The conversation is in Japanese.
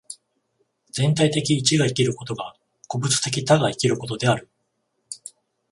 全体的一が生きることが個物的多が生きることである。